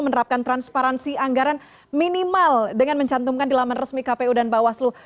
menerapkan transparansi anggaran minimal dengan mencantumkan dilaman resmi kpu dan pak waslu